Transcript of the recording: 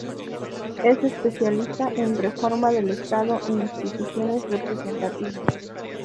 Es especialista en reforma del estado e instituciones representativas.